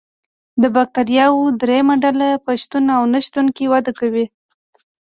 د بکټریاوو دریمه ډله په شتون او نشتون کې وده کوي.